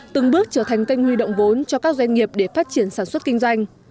từng bước trở thành kênh huy động vốn cho các doanh nghiệp để phát triển sản xuất kinh doanh